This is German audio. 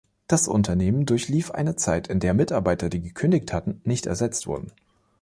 Das Unternehmen durchlief eine Zeit, in der Mitarbeiter, die gekündigt hatten, nicht ersetzt wurden.